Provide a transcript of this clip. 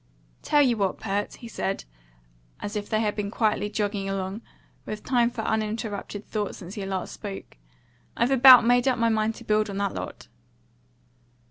"Tell you what, Pert," he said, as if they had been quietly jogging along, with time for uninterrupted thought since he last spoke, "I've about made up my mind to build on that lot."